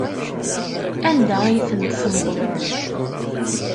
Anda ay tent-tmeḍlemt?